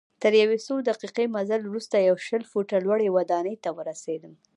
تر یو څو دقیقې مزل وروسته یوه شل فوټه لوړي ودانۍ ته ورسیدم.